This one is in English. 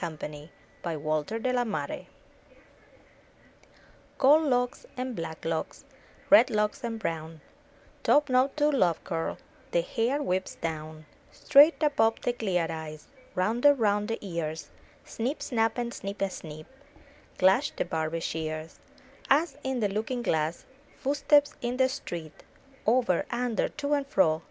327 M Y BOOK HOUSE Gold locks, and black locks, Red locks and brown, Topknot to love curl, The hair wisps down; Straight above the clear eyes. Rounded round the ears. Snip snap and snick a snick. Clash the Barber's shears; Us, in the looking glass. Footsteps in the street. Over, under, to and fro.